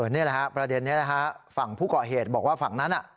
นี่แหละฮะประเด็นนี้นะฮะฝั่งผู้ก่อเหตุบอกว่าฝั่งนั้น